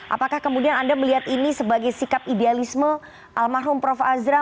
apakah kemudian anda melihat ini sebagai sikap idealisme almarhum prof azra